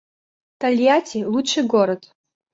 Тольятти — лучший город